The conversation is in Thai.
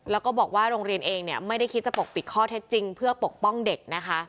แล้วก็บอกว่าโรงเรียนเองเนี่ยไม่ได้คิดจะปกปิดข้อเท็จจริงเพื่อปกป้องเด็กนะคะ